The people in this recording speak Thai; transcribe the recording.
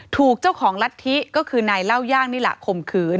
ถูกเจ้าของรัฐธิก็คือนายเล่าย่างนี่แหละข่มขืน